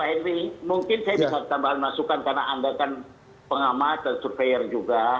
pak henry mungkin saya bisa tambahin masukan karena anda kan pengamat dan surveyor juga